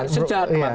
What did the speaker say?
secara makanya itu